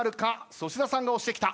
粗品さんが押してきた。